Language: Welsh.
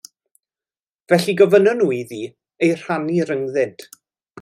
Felly gofynnon nhw iddi ei rannu rhyngddynt.